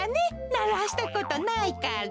ならしたことないから。